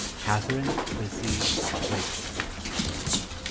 Catharine Frazee Wakefield.